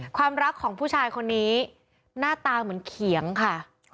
ความรักของผู้ชายคนนี้หน้าตาเหมือนเขียงค่ะ